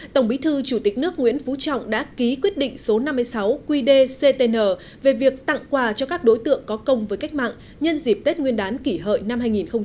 tổng bí thư nguyễn phú trọng đã ký quyết định số năm mươi sáu qdctn về việc tặng quà cho các đối tượng có công với cách mạng nhân dịp tết nguyên đán kỷ hợi năm hai nghìn một mươi chín